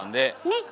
ねっ。